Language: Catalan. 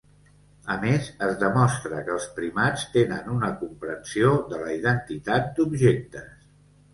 A més, es demostra que els primats tenen una comprensió de la identitat d'objectes.